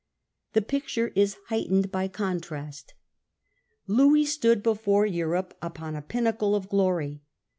The picture is heightened by contrast. Louis stood before Europe upon a pinnacle of glory.